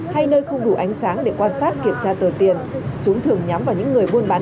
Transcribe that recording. hay nơi không đủ ánh sáng để quan sát kiểm tra tờ tiền chúng thường nhắm vào những người buôn bán